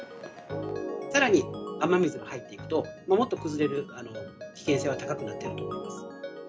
さらに雨水が入っていくと、もっと崩れる危険性は高くなっていると思います。